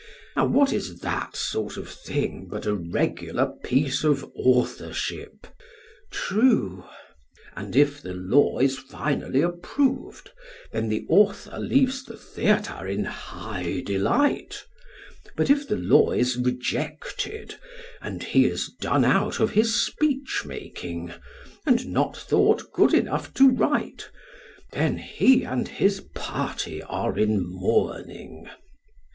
Now what is that sort of thing but a regular piece of authorship? PHAEDRUS: True. SOCRATES: And if the law is finally approved, then the author leaves the theatre in high delight; but if the law is rejected and he is done out of his speech making, and not thought good enough to write, then he and his party are in mourning.